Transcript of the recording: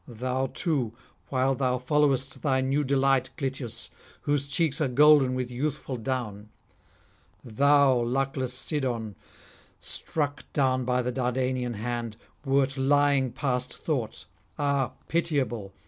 Thou too, while thou followest thy new delight, Clytius, whose cheeks are golden with youthful down thou, luckless Cydon, struck down by the Dardanian hand, wert lying past thought, ah pitiable!